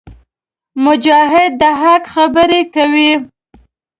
مجاهد د حق خبرې کوي.